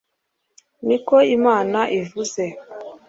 ni ko Imana ivuze